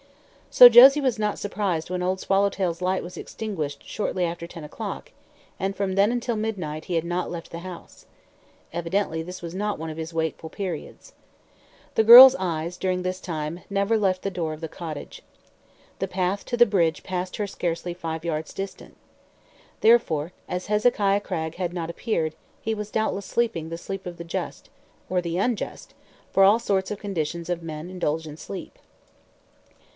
So Josie was not surprised when old Swallowtail's light was extinguished shortly after ten o'clock and from then until midnight he had not left the house. Evidently this was not one of his "wakeful" periods. The girl's eyes, during this time, never left the door of the cottage. The path to the bridge passed her scarcely five yards distant. Therefore, as Hezekiah Cragg had not appeared, he was doubtless sleeping the sleep of the just or the unjust, for all sorts and conditions of men indulge in sleep.